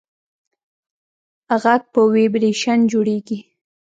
غږ په ویبرېشن جوړېږي.